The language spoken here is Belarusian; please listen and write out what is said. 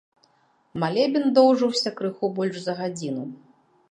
Малебен доўжыўся крыху больш за гадзіну.